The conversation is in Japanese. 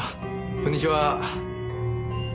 こんにちは。